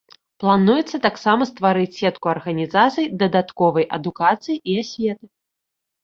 Плануецца таксама стварыць сетку арганізацый дадатковай адукацыі і асветы.